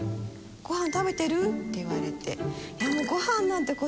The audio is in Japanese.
「ごはん食べてる？」って言われて。